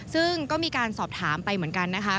ซึ่งก็มีการสอบถามไปเหมือนกันนะคะ